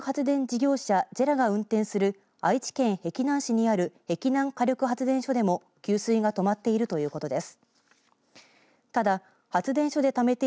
一方、火力発電事業者ＪＥＲＡが運転する愛知県碧南市にある碧南火力発電所でも給水が止まっているということです。